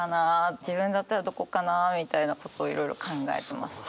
自分だったらどこかなみたいなことをいろいろ考えて。